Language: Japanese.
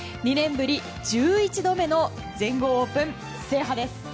２年ぶり１１度目の全豪オープン制覇です。